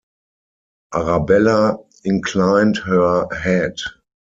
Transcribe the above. Arabella inclined her head.